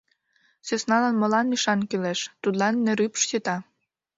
— Сӧсналан молан ӱшан кӱлеш, тудлан нерӱпш сита.